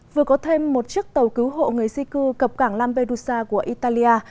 vừa có thêm một chiếc tàu cứu hộ người di cư cập cảng lampedusa của italia